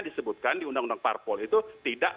disebutkan di undang undang parpol itu tidak